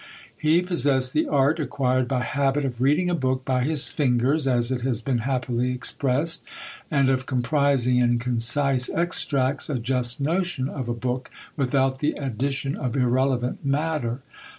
He possessed the art, acquired by habit, of reading a book by his fingers, as it has been happily expressed; and of comprising, in concise extracts, a just notion of a book, without the addition of irrelevant matter.